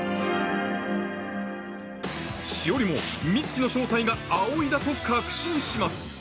詩織も美月の正体が葵だと確信します